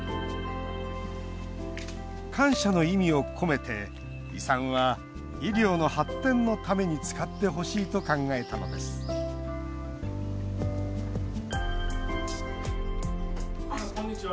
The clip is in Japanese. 感謝の意味を込めて遺産は医療の発展のために使ってほしいと考えたのですこんにちは。